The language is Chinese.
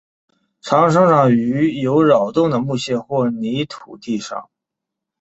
常生长于有扰动的木屑或泥土地上。